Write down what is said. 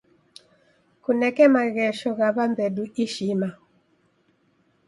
Kuneke maghesho gha w'ambedu ishima.